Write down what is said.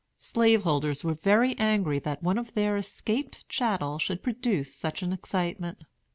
Slaveholders were very angry that one of their escaped chattels should produce such an excitement.